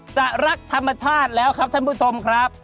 จะรักธรรมชาติแล้วครับชั้นโปรตมครับ